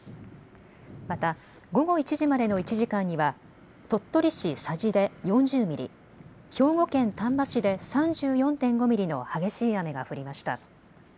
また午後１時までの１時間には鳥取市佐治で４０ミリ、兵庫県丹波市で３４．５ミリの激しい雨が降りました。